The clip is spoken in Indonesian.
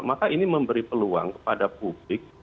maka ini memberi peluang kepada publik